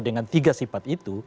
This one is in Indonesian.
dengan tiga sifat itu